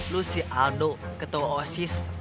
lo si aldo ketua osis